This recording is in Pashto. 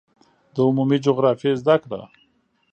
د عمومي جغرافیې زده کړه